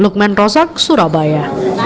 lukmen rosak surabaya